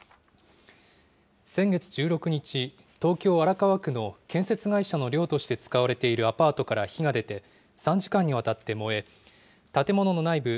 先月１６日、東京・荒川区の建設会社の寮として使われているアパートから火が出て、３時間にわたって燃え、建物の内部